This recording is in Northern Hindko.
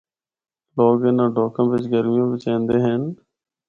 لوگ انِاں ڈھوکاں بچ گرمیاں بچ ایندے ہن۔